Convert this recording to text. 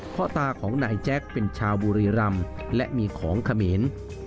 พ่อตาของนายแจ๊คเป็นชาวบุรีรำและมีของเขมร